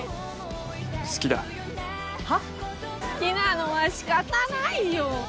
「好きなのは仕方ないよ」